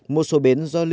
một số bến do lưu